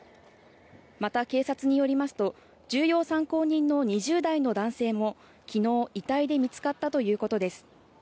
また、警察によりますと重要参考人の２０代の男性も昨日、遺体で見つかったということです。